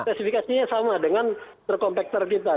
spesifikasinya sama dengan truk kompakter kita